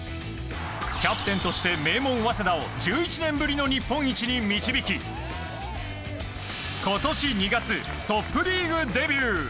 キャプテンとして名門・早稲田を１１年ぶりの日本一に導き今年２月、トップリーグデビュー。